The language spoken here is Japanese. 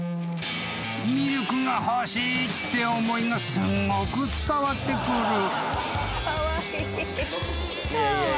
［ミルクが欲しいって思いがすごく伝わってくる］